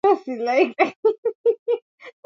Kwa hiyo kila mtu alingia kwenye boti